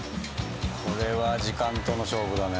これは時間との勝負だね。